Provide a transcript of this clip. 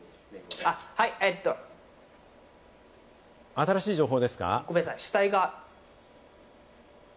新しい情報ですか？